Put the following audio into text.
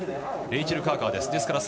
レイチェル・カーカーです。